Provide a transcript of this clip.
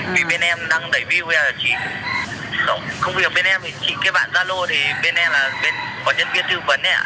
vì bên em đang đẩy view đây ạ chị công việc bên em thì chị cái bạn zalo thì bên em là có nhân viên thư vấn ấy ạ